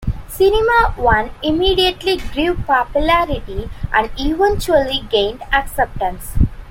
Cinema One immediately grew popularity and eventually gained acceptance.